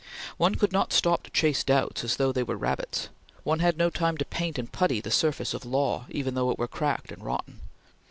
One could not stop to chase doubts as though they were rabbits. One had no time to paint and putty the surface of Law, even though it were cracked and rotten.